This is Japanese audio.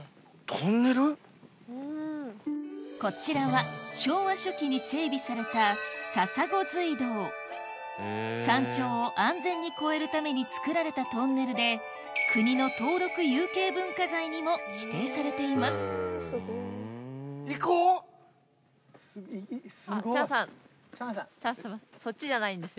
こちらは昭和初期に整備された山頂を安全に越えるために造られたトンネルで国の登録有形文化財にも指定されていますえっ？